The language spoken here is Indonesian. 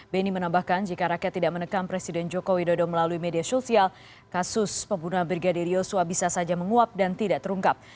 beni menambahkan jika rakyat tidak menekam presiden joko widodo melalui media sosial kasus pembunuhan brigadir yosua bisa saja menguap dan tidak terungkap